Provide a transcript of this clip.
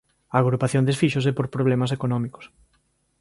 A agrupación desfíxose por problemas económicos.